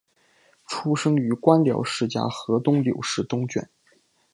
出生于官僚世家河东柳氏东眷。